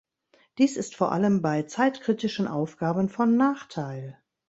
Dies ist vor allem bei zeitkritischen Aufgaben von Nachteil.